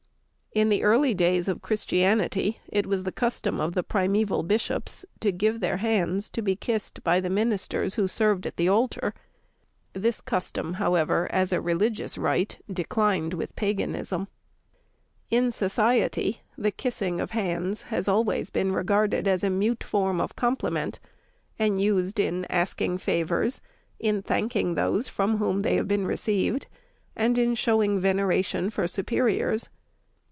In the early days of Christianity, it was the custom of the primeval bishops to give their hands to be kissed by the ministers who served at the altar. This custom, however, as a religious rite, declined with paganism. In society, the kissing of hands has always been regarded as a mute form of compliment, and used in asking favors, in thanking those from whom they have been received, and in showing veneration for superiors.